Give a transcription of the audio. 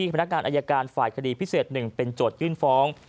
คดีที่พนักงานอายการฝ่ายคดีพิเศษหนึ่งเป็นจดยื่นฟ้อง